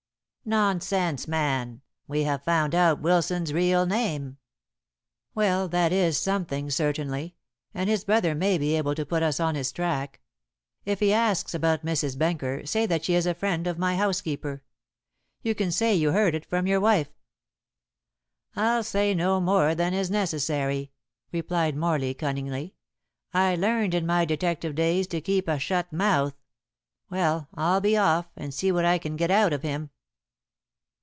"Nonsense, man. We have found out Wilson's real name." "Well, that is something certainly, and his brother may be able to put us on his track. If he asks about Mrs. Benker, say that she is a friend of my housekeeper. You can say you heard it from your wife." "I'll say no more than is necessary," replied Morley cunningly. "I learned in my detective days to keep a shut mouth. Well, I'll be off and see what I can get out of him."